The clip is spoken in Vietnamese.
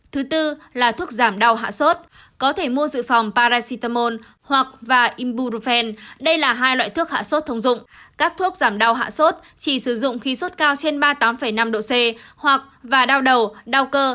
thứ tư là thuốc giảm đau hạ sốt có thể mua dự phòng paracetamol hoặc imburen đây là hai loại thuốc hạ sốt thông dụng các thuốc giảm đau hạ sốt chỉ sử dụng khi sốt cao trên ba mươi tám năm độ c hoặc và đau đầu đau cơ